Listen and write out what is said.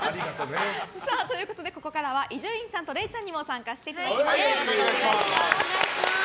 ここからは伊集院さんとれいちゃんにも参加していただきます。